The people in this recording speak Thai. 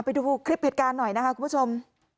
ไปดูคลิปเหตุการณ์หน่อยนะคะคุณผู้ชม